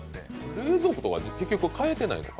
冷蔵庫とか結局買ってないんですか？